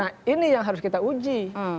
nah ini yang harus kita uji